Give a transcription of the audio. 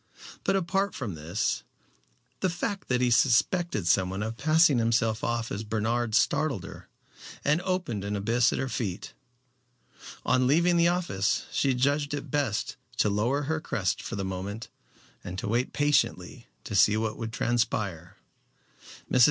But, apart from this, the fact that he suspected someone of passing himself off as Bernard startled her, and opened an abyss at her feet. On leaving the office she judged it best to lower her crest for the moment and to wait patiently to see what would transpire. Mrs.